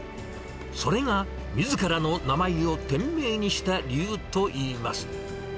それがみずからの名前を店名にした理由といいます。